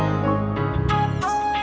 kita akan mencari penumpang yang lebih baik